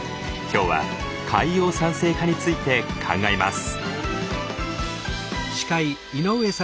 今日は海洋酸性化について考えます。